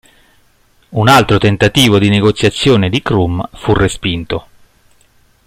Un altro tentativo di negoziazione di Krum fu respinto.